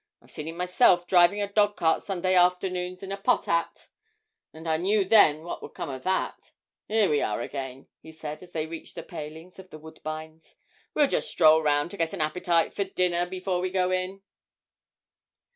I've seen him myself driving a dog cart Sunday afternoons in a pot 'at, and I knew then what would come of that. Here we are again!' he said, as they reached the palings of 'The Woodbines.' 'We'll just stroll round to get an appetite for dinner before we go in.'